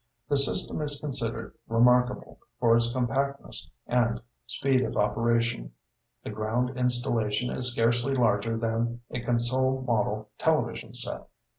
The system is considered remarkable for its compactness and speed of operation. The ground installation is scarcely larger than a console model television set.'